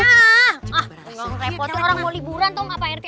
ah ngerepot tuh orang mau liburan tau gak apa apa erti